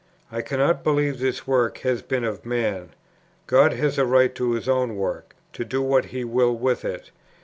I cannot believe this work has been of man; God has a right to His own work, to do what He will with it.